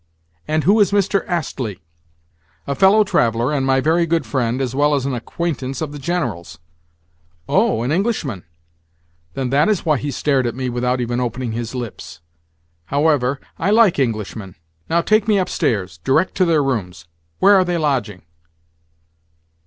"And who is Mr. Astley?" "A fellow traveller, and my very good friend, as well as an acquaintance of the General's." "Oh, an Englishman? Then that is why he stared at me without even opening his lips. However, I like Englishmen. Now, take me upstairs, direct to their rooms. Where are they lodging?"